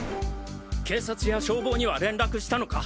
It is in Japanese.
警察や消防には連絡したのか？